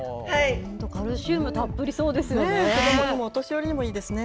本当、カルシウムたっぷりそうですよね。